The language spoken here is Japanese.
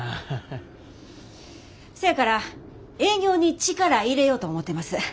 せやから営業に力入れよと思てます。